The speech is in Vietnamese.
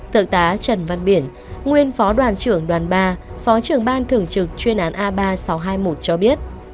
thượng tá trần văn biển nguyên phó đoàn trưởng đoàn ba phó trưởng ban thường trực chuyên án a ba nghìn sáu trăm hai mươi một cho biết